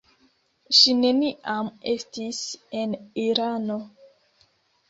Ŝi neniam estis en Irano.